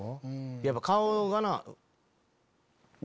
やっぱ顔がな。